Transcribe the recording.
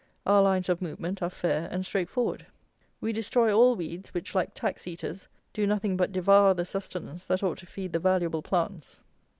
Our lines of movement are fair and straightforward. We destroy all weeds, which, like tax eaters, do nothing but devour the sustenance that ought to feed the valuable plants.